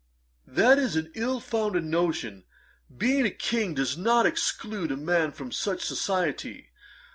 'That is an ill founded notion. Being a King does not exclude a man from such society.